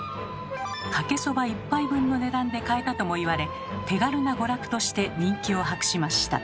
かけそば１杯分の値段で買えたともいわれ手軽な娯楽として人気を博しました。